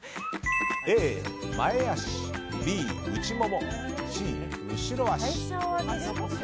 Ａ、前脚Ｂ、内ももＣ、後ろ脚。